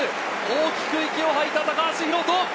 大きく息をはいた高橋宏斗。